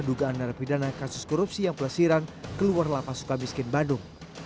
dugaan narapidana kasus korupsi yang pelesiran keluar lapas suka miskin bandung